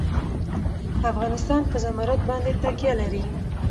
افغانستان په زمرد باندې تکیه لري.